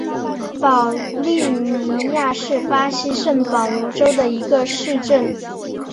保利尼亚是巴西圣保罗州的一个市镇。